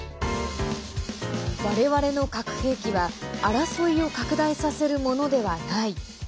我々の核兵器は争いを拡大させるものではない。